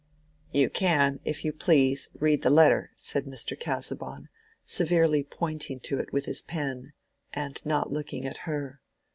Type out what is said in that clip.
"You can, if you please, read the letter," said Mr. Casaubon, severely pointing to it with his pen, and not looking at her.